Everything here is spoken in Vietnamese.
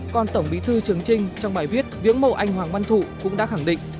còn tổng bí thư trường trinh trong bài viết viễn mộ anh hoàng quân thụ cũng đã khẳng định